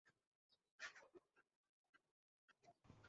কেবল আমরা নই, অধিকাংশ পর্যটকই কক্সবাজারে বেড়িয়ে বান্দরবানে ঢুঁ মেরে চলে যায়।